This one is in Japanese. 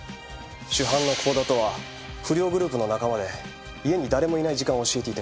主犯の甲田とは不良グループの仲間で家に誰もいない時間を教えていたようです。